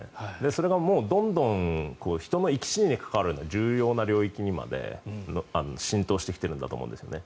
それがどんどん人の生き死にに関わる重要な領域にまで浸透してきているんだと思うんですね。